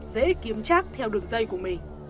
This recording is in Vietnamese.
dễ kiếm chắc theo đường dây của mình